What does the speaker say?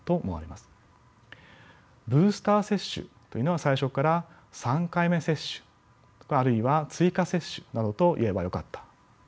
ブースター接種というのは最初から３回目接種とかあるいは追加接種などと言えばよかったと思われます。